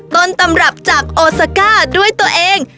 ต้นตำรับจากโอซาก้าด้วยตัวเอง